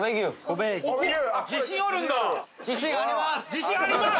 「自信あります！」。